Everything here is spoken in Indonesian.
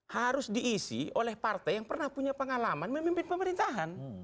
harus diisi oleh partai yang pernah punya pengalaman memimpin pemerintahan